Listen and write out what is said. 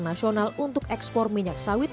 nasional untuk ekspor minyak sawit